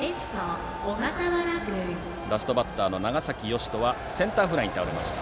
ラストバッターの長崎義仁はセンターフライに倒れました。